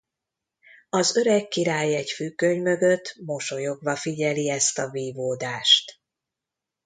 Az öreg király egy függöny mögött mosolyogva figyeli ezt a vívódást.